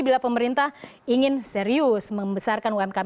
bila pemerintah ingin serius membesarkan umkm